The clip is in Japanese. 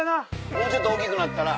もうちょっと大きくなったら。